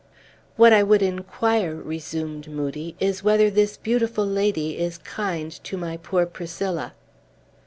"What I would inquire," resumed Moodie, "is whether this beautiful lady is kind to my poor Priscilla."